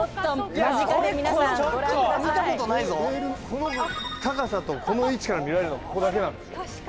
この高さとこの位置から見られるのはここだけなんです。